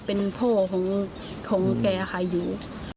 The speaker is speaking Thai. เป็นพ่อของแกค่ะอยู่